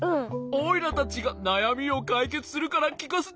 おいらたちがなやみをかいけつするからきかせてごらん。